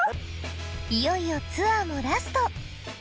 いよいよツアーもラスト！